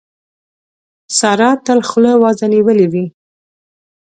سارا تل خوله وازه نيولې وي.